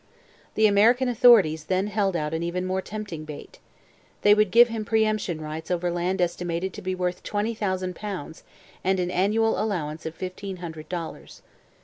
The American authorities then held out an even more tempting bait. They would give him pre emption rights over land estimated to be worth twenty thousand pounds and an annual allowance of fifteen hundred dollars.